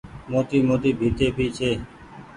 موٽي موٽي ڀيتي ڀي ڇي ۔